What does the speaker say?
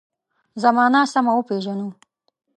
زمانه سمه وپېژنو.